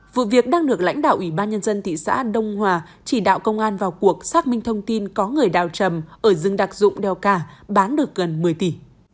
vụ việc đang được lãnh đạo ủy ban nhân dân thị xã đông hòa chỉ đạo công an vào cuộc xác minh thông tin có người đào trầm ở rừng đặc dụng đèo cả bán được gần một mươi tỷ